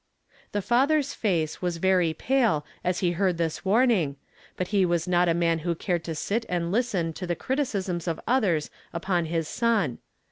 The father's face was very pale as he heard this warning, but he was not a man who cared to sit and listen to the criticisms of others upon his son.